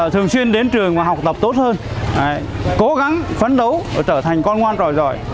thường xuyên đến trường và học tập tốt hơn cố gắng phấn đấu trở thành con ngoan tròi giỏi